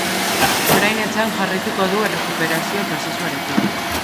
Orain etxean jarraituko du errekuperazio prozesuarekin.